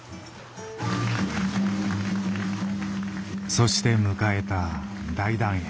そして迎えた大団円。